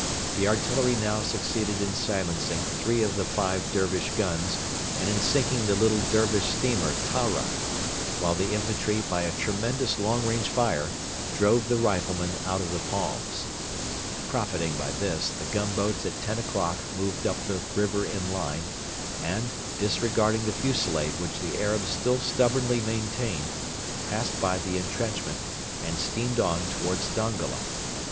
The artillery now succeeded in silencing three of the five Dervish guns and in sinking the little Dervish steamer Tahra, while the infantry by a tremendous long range fire drove the riflemen out of the palms. Profiting by this, the gunboats at ten o'clock moved up the river in line, and, disregarding the fusillade which the Arabs still stubbornly maintained, passed by the entrenchment and steamed on towards Dongola.